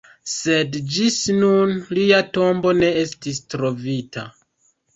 Sed ĝis nun lia tombo ne estis trovita.